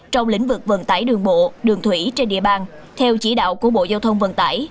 trong lĩnh vực vận tải đường bộ đường thủy trên địa bàn theo chỉ đạo của bộ giao thông vận tải